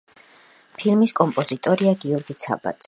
ფილმის კომპოზიტორია გიორგი ცაბაძე.